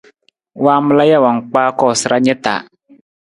Waamala jawang kpaa koosara ni ta.